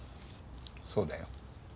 そうだよ。